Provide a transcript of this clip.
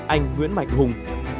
anh nguyễn mạnh hùng